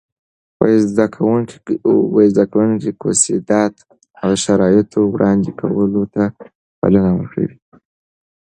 زده کوونکي کوسيدات د شرایطو وړاندې کولو ته بلنه ورکوي.